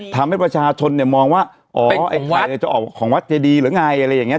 ทำให้ประชาชนเนี่ยมองว่าอ๋อไอ้ไข่จะออกของวัดเจดีหรือไงอะไรอย่างนี้